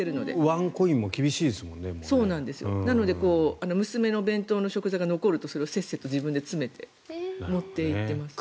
ワンコインも娘の弁当の食材が残るとそれをせっせと自分で詰めて持っていっています。